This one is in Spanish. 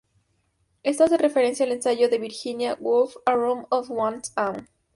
Esto hace referencia al ensayo de Virginia Woolf "A Room of One's Own".